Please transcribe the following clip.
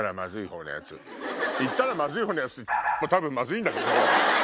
言ったらまずい方のやつも多分まずいんだけど。